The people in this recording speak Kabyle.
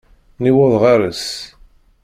Niweḍ ɣer-s.